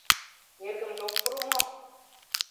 — Эргымже ок пуро мо?